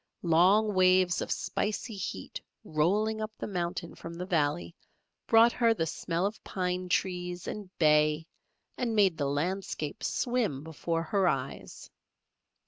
Long waves of spicy heat rolling up the mountain from the valley brought her the smell of pine trees and bay and made the landscape swim before her eyes.